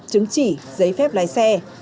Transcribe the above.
chứng chỉ giấy phép lái xe